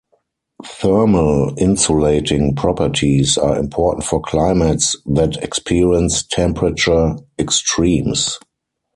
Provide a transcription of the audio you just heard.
Thermal insulating properties are important for climates that experience temperature extremes.